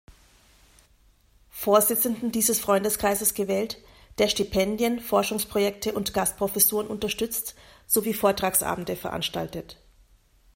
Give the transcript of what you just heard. Vorsitzenden dieses Freundeskreises gewählt, der Stipendien, Forschungsprojekte und Gastprofessuren unterstützt sowie Vortragsabende veranstaltet.